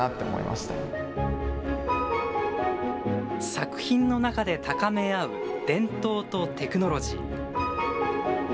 作品の中で高め合う伝統とテクノロジー。